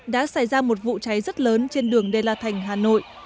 đã xảy ra một vụ cháy rất lớn trên đường đê la thành hà nội